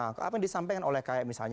apa yang disampaikan oleh kayak misalnya